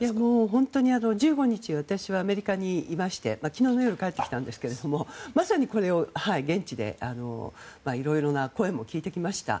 本当に１５日私はアメリカにいまして昨日の夜帰ってきたんですがまさにこれを現地でいろいろな声も聞いてきました。